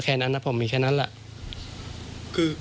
แค่นั้นนะผมมีแค่นั้นแหละ